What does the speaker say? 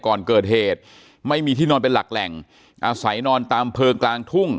ก่อนเกิดเหตุไม่มีที่นอนเป็นหลักแหล่งอาศัยนอนตามเพลิงกลางทุ่ง